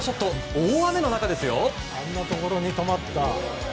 大雨の中ですよ。